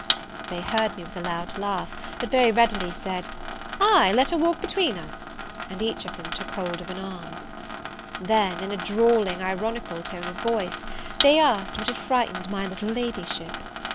They heard me with a loud laugh, but very readily said, "Ay, let her walk between us;" and each of them took hold of an arm. Then, in a drawling, ironical tone of voice, they asked what had frightened my little Ladyship?